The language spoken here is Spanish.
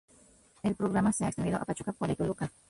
El programa se ha extendido a Pachuca, Puebla y Toluca.